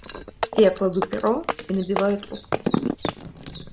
Я кладу перо и набиваю трубку.